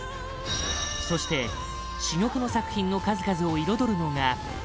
そして、珠玉の作品の数々を彩るのが